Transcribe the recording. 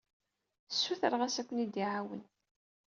Sutreɣ-as i Ken ad yi-iɛawen.